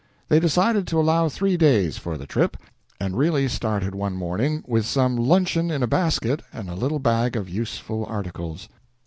They decided to allow three days for the trip, and really started one morning, with some luncheon in a basket, and a little bag of useful articles.